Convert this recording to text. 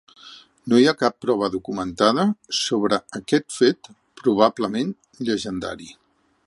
No hi ha cap prova documentada sobre aquest fet probablement llegendari.